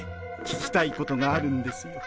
聞きたいことがあるんですよ。